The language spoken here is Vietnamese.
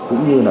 cũng như là